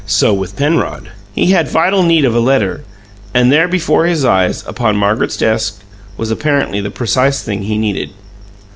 So with Penrod. He had vital need of a letter, and there before his eyes, upon Margaret's desk, was apparently the precise thing he needed!